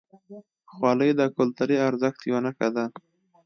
خولۍ د کلتوري ارزښت یوه نښه ده.